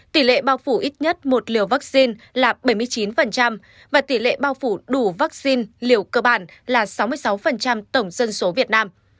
tỷ lệ bao phủ ít nhất một liều vaccine là bảy mươi chín và tỷ lệ bao phủ đủ vaccine liều cơ bản là sáu mươi sáu tổng dân số việt nam